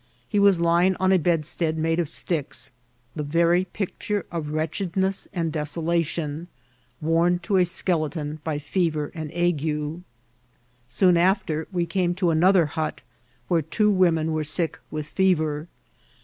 He was lying on a bedstead made oi sticks, the very picture of wretchedness and descdatioai worn to a skeleton by fever and ague. Soon after we came to another hut, where two women were sick with fever.